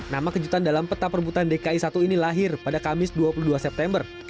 nama kejutan dalam peta perbutan dki satu ini lahir pada kamis dua puluh dua september